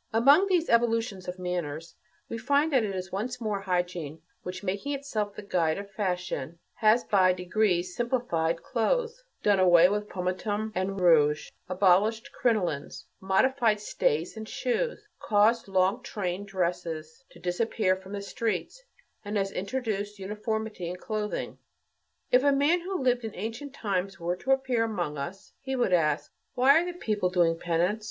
'"And among these evolutions of manners we find that it is once more hygiene which, making itself the guide of fashion, has by degrees simplified clothes, done away with pomatum and rouge, abolished crinolines, modified stays and shoes, caused long trained dresses to disappear from the streets, and has introduced uniformity in clothing. If a man who lived in ancient times were to appear among us, he would ask: "Why are the people doing penance?